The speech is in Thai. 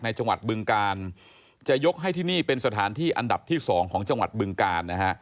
จังหวัดบึงกาลจะยกให้ที่นี่เป็นสถานที่อันดับที่๒ของจังหวัดบึงกาลนะฮะ